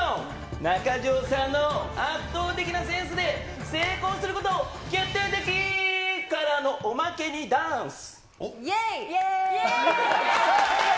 中条さんの圧倒的なセンスで、成功すること決定的ー！からのおまけにダンス。